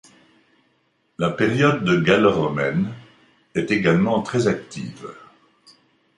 La période gallo-romaine est également très active.